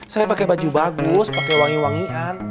saya pake baju bagus pake wangi wangian